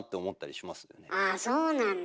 ああそうなんだ。